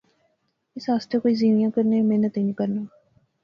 اس آسطے کوئی زیوِیاں کنے محنت ای نی کرنا